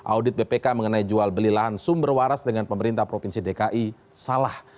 audit bpk mengenai jual beli lahan sumber waras dengan pemerintah provinsi dki salah